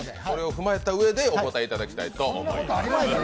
それを踏まえたうえでお答えいただきたいと思います。